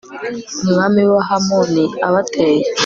umwami w'abahamoni abateye